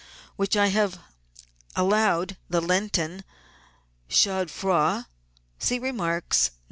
which I have allowed the Lenten Chaud froid (see remarks No.